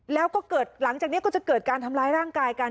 แล้วก็เกิดหลังจากนี้ก็จะเกิดการทำร้ายร่างกายกัน